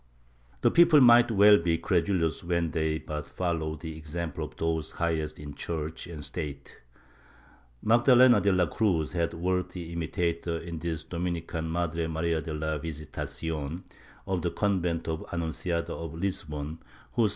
The people might well be credulous when they but fohowed the example of those highest in Church and State. Magdalena de la Cruz had a worthy imitator in the Dominican Madre Maria de la Visitacion, of the convent of the Annunciada of Lisbon, whose ^ Bibl.